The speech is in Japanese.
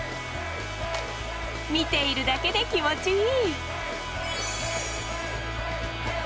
見ているだけで気持ちいい！